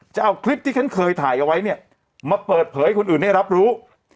จะเอาคลิปที่ฉันเคยถ่ายเอาไว้เนี่ยมาเปิดเผยให้คนอื่นได้รับรู้